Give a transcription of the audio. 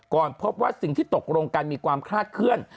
พบว่าสิ่งที่ตกลงกันมีความคลาดเคลื่อน